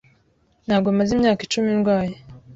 Ntabwo maze imyaka icumi ndwaye.